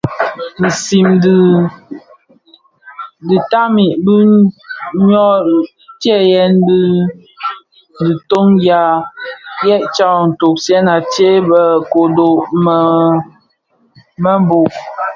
Nsiň dhi ditani di nôs, ntseyèn diton nyi nʼyaksag tsōzèn atsee bë kodo bëmebög.